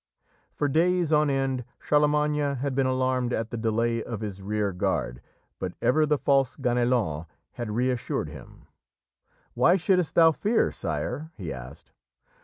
For days on end Charlemagne had been alarmed at the delay of his rearguard, but ever the false Ganelon had reassured him. "Why shouldst thou fear, sire?" he asked.